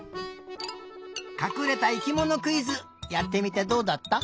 かくれた生きものクイズやってみてどうだった？